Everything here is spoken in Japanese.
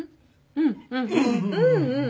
うんうんうん。